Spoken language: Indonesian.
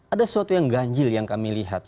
ada sesuatu yang ganjil yang kami lihat